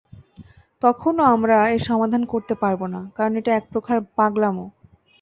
তখনো, আমরা এর সমাধান করতে পারবো না, কারণ এটা একপ্রকার পাগলামো।